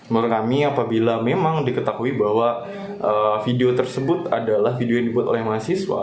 menurut kami apabila memang diketahui bahwa video tersebut adalah video yang dibuat oleh mahasiswa